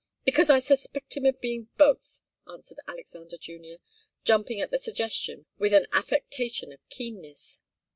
"Because I suspect him of being both," answered Alexander Junior, jumping at the suggestion with an affectation of keenness.